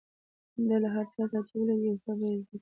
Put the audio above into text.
ده له هر چا سره چې ولیدل، يو څه به يې زده کول.